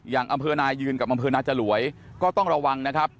อำเภอนายืนกับอำเภอนาจรวยก็ต้องระวังนะครับ